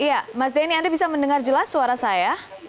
iya mas denny anda bisa mendengar jelas suara saya